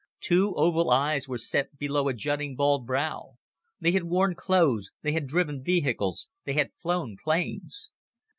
Two oval eyes were set below a jutting bald brow. They had worn clothes, they had driven vehicles, they had flown planes.